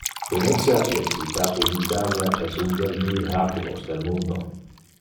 Venetia, le citate in Italia, es un del miraculos del mundo.